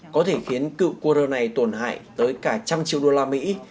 có thể khiến cựu quân hợp này tổn hại tới cả một trăm linh triệu đô la mỹ